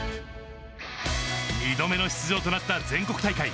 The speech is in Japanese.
２度目の出場となった全国大会。